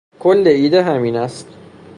کل ایده همین است.